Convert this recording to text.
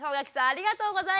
ありがとう！